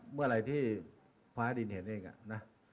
เมื่ออะไรที่ฟ้าดินเห็นเอง